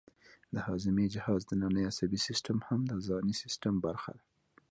د هاضمې جهاز دنننی عصبي سیستم هم د ځانی سیستم برخه ده